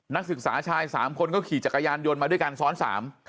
นักศึกษาชายสามคนก็ขี่จักรยานยนต์มาด้วยกันซ้อนสาม